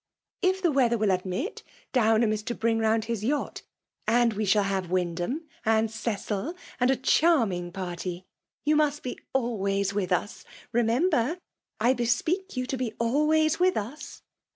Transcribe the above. If the weather will admit, Downham is to bring round his yacht ; and wc shall have Wyndham and Cecil, and a charm ing party. You must be always with us, — ^re member, I bespeak you to be always with us.'